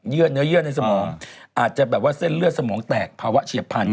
เนื้อเยื่อในสมองอาจจะแบบว่าเส้นเลือดสมองแตกภาวะเฉียบพันธ